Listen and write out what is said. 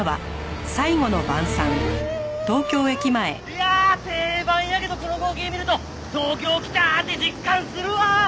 いやあ定番やけどこの光景見ると東京来たって実感するわ！